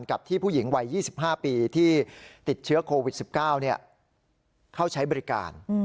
กับที่ผู้หญิงวัย๒๕ปีที่ติดเชื้อโควิด๑๙เข้าใช้บริการ